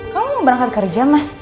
kamu mau berangkat kerja mas